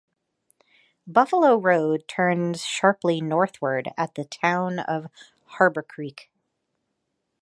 Buffalo Road turns sharply northward at the town of Harborcreek.